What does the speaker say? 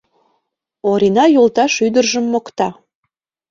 — Орина йолташ ӱдыржым мокта.